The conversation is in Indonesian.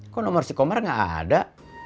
kok nomor si komer gak ada